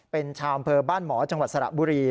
เป็นชาวอำเภอบ้านหมอจังหวัดสระบุรี